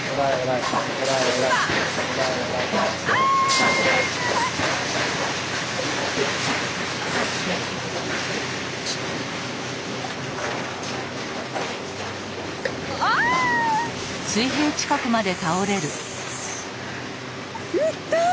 いった。